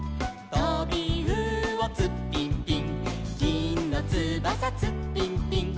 「とびうおツッピンピン」